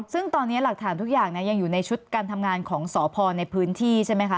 ซึ่งตอนนี้หลักฐานทุกอย่างยังอยู่ในชุดการทำงานของสพในพื้นที่ใช่ไหมคะ